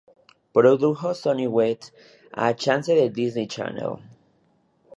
Produjo Sonny With a Chance de Disney Channel.